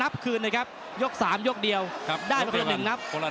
เรียบร้อยแล้วหล่นหล่นหล่น